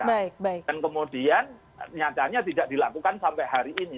dan kemudian nyatanya tidak dilakukan sampai hari ini